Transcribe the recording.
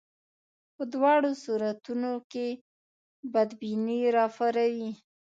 په دواړو صورتونو کې بدبیني راپاروي.